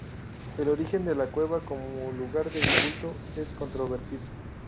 El origen de la cueva como lugar de culto es controvertido.